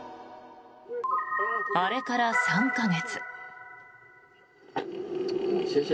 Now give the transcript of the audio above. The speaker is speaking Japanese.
あれから３か月。